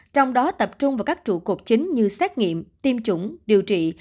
trong đó tập trung vào các trụ cột chính như xét nghiệm tiêm chủng điều trị